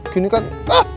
gini kan ah